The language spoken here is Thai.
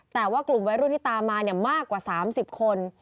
แต่ว่ากลุ่มวัยรุ่นที่ตามมามากกว่า๓๐คน